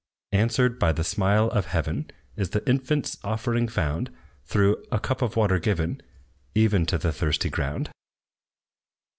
Answered, by the smile of heaven, Is the infant's offering found, Though "a cup of water given," Even to the thirsty ground.